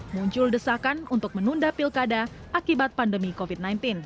muncul desakan untuk menunda pilkada akibat pandemi covid sembilan belas